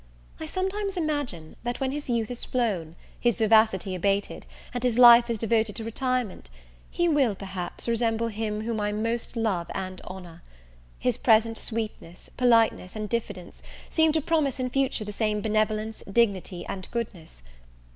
I sometimes imagine, that when his youth is flown, his vivacity abated, and his life is devoted to retirement, he will, perhaps, resemble him whom I most love and honour. His present sweetness, politeness, and diffidence, seem to promise in future the same benevolence, dignity, and goodness.